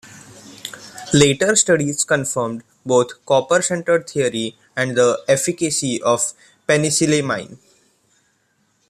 Later studies confirmed both the copper-centered theory and the efficacy of -penicillamine.